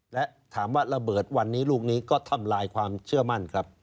และถามว่าระเบิดวันนี้ลูกนี้ก็ทำลายความเชื่อมั่นครับ